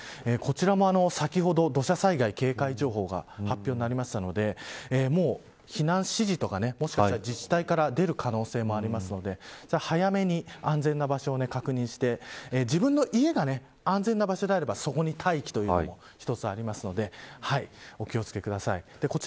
こちらも先ほど土砂災害警戒情報が発表になりましたのでもう、避難指示とかもしかしたら自治体から出る可能性もあるので早めに安全な場所を確認して自分の家が安全な場所であればそこに待機ということも一つあるのでお気を付けください。